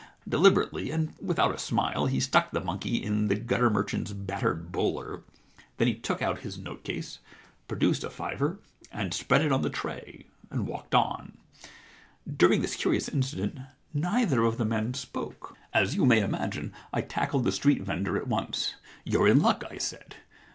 Deliberately and without a smile he stuck the monkey in the gutter merchant's battered bowler. Then he took out his note case, produced a fiver, and spread it on the 112 The Identity Problem tray, and walked on. During this curious incident neither of the men spoke. As you may imagine, I tackled the street vendor at once. •"You're in luck," I said.